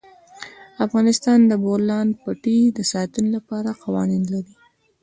افغانستان د د بولان پټي د ساتنې لپاره قوانین لري.